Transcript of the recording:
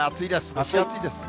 蒸し暑いです。